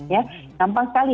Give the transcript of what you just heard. ya gampang sekali